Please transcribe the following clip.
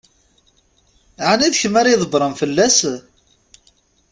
Ɛni d kemm ara ydebbṛen fell-as?